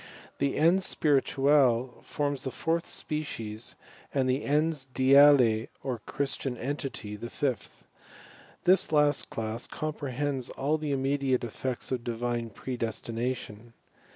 The ens spirituale forms the fourth species and the ens deale or Christian entity the fifth. This last class comprehends all the immediate effects of divine pre destmation.